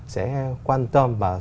sẽ quan tâm về vấn đề chuyển đổi xanh